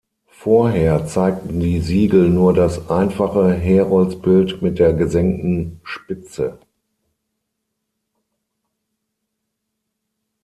Vorher zeigten die Siegel nur das einfache Heroldsbild mit der gesenkten Spitze.